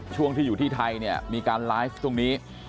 ช่วงที่อยู่ที่ไทยเนี่ยมีการไลฟ์ตรงนี้